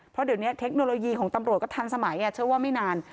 เพราะเดี๋ยวนี้เทคโนโลยีของตำรวจก็ทันสมัยเชื่อว่าไม่นาน